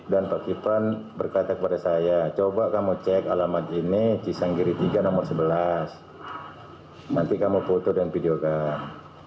dan pak kiflan berkata kepada saya coba kamu cek alamat ini cisanggiri tiga nomor sebelas nanti kamu foto dan videokan